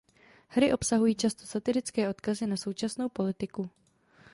Hry obsahují často satirické odkazy na současnou politiku.